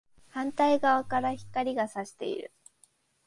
反対側から光が射している